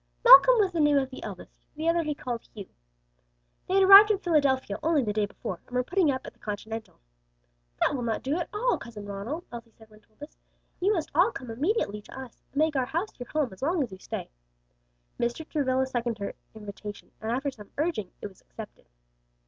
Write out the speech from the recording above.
Malcom was the name of the eldest, the other he called Hugh. They had arrived in Philadelphia only the day before, and were putting up at the Continental. "That will not do at all, Cousin Ronald," Elsie said when told this. "You must all come immediately to us, and make our house your home as long as you stay." Mr. Travilla seconded her invitation, and after some urging, it was accepted.